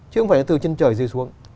chứ không phải từ chân trời dưới xuống